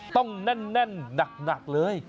ต้องแน่นหนักเลย